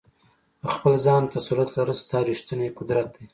په خپل ځان تسلط لرل ستا ریښتینی قدرت دی.